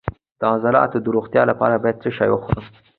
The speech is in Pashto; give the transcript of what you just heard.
د عضلاتو د روغتیا لپاره باید څه شی وخورم؟